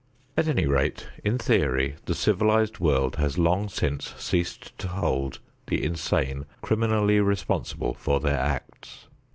At any rate in theory the civilized world has long since ceased to hold the insane criminally responsible for their acts.